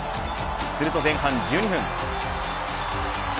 すると前半１２分。